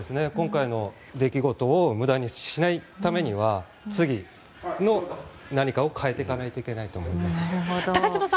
今回の出来事を無駄にしないためには次の何かを変えていかないといけないと思います。